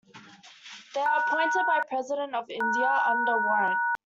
They are appointed by President of India under warrant.